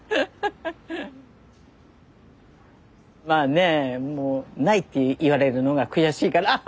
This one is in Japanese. まあねもうないって言われるのが悔しいから。